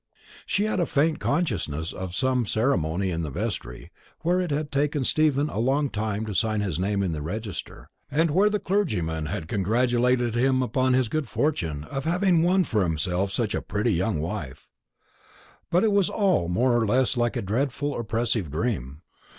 She had a faint consciousness of some ceremony in the vestry, where it had taken Stephen a long time to sign his name in the register, and where the clergyman had congratulated him upon his good fortune in having won for himself such a pretty young wife; but it was all more or less like a dreadful oppressive dream.